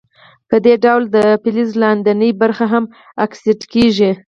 په دې ډول د فلز لاندینۍ برخې هم اکسیدي کیږي.